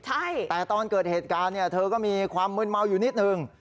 ใช่แต่ตอนเกิดเหตุการณ์เนี่ยเธอก็มีความมืนเมาอยู่นิดนึง